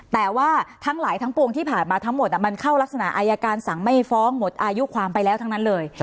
แต่ว่าทั้งหลายทั้งปวงที่ผ่านมาทั้งหมดมันเข้ารักษณะอายการสั่งไม่ฟ้องหมดอายุความไปแล้วทั้งนั้นเลย